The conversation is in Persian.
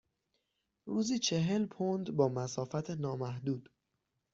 روزی چهل پوند با مسافت نامحدود.